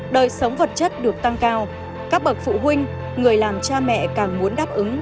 đời sống vật chất được tăng cao các bậc phụ huynh người làm cha mẹ càng muốn đáp ứng